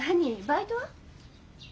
バイト？